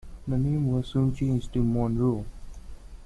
The name was soon changed to Monroe.